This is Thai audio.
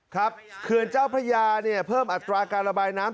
ครับเขื่อนเจ้าพระยาเพิ่มอัตราการระบายน้ำ